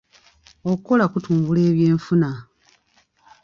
Okukola kutumbula ebyenfuna.